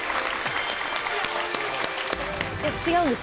えっ違うんです。